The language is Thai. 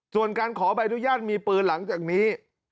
ส่วนการขอใบอนุญาตมีปืนหลังจากนี้